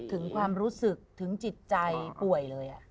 ถึงความรู้สึกถึงจิตใจป่วยเลย